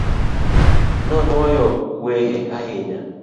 Nonuoyo wehe ahinya